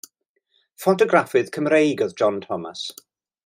Ffotograffydd Cymreig oedd John Thomas.